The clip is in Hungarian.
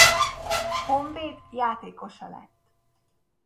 Honvéd játékosa lett.